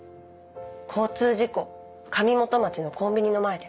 交通事故上元町のコンビニの前で。